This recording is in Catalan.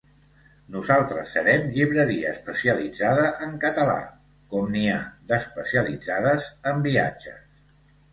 Nosaltres serem llibreria especialitzada en català, com n’hi ha d’especialitzades en viatges.